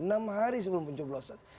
enam hari sebelum pencoblosan